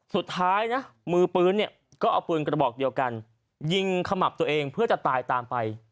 สุดท้ายนะมือปืนเนี่ยก็เอาปืนกระบอกเดียวกันยิงขมับตัวเองเพื่อจะตายตามไป